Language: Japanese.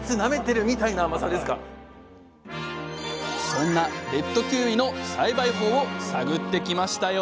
そんなレッドキウイの栽培法を探ってきましたよ